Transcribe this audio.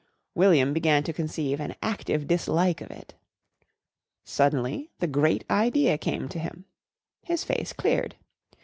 William began to conceive an active dislike of it. Suddenly the Great Idea came to him. His face cleared.